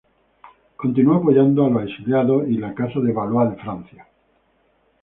Continuó apoyando a los exiliados y la Casa de Valois de Francia.